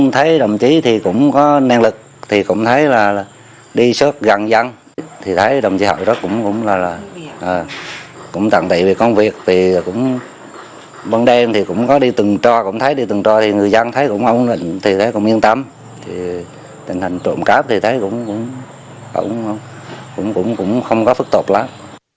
thì thấy cũng yên tâm tình hình trộm cáp thì thấy cũng không có phức tộc lắm